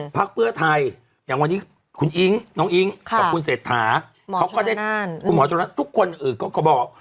พักเพื่อไทยอย่างวันนี้คุณอิงน้องอิงคุณเศรษฐาหมอชุนานทุกคนอื่นก็บอก